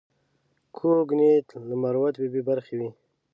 کوږ نیت له مروت بې برخې وي